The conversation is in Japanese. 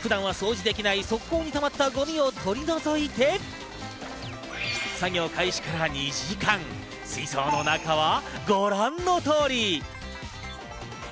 普段は掃除できない、底に溜まったゴミを取り除いて、作業開始から２時間、水槽の中はご覧の通り。